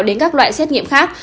đến các loại xét nghiệm khác